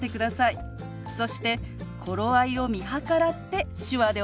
そして頃合いを見計らって手話でお話を始めます。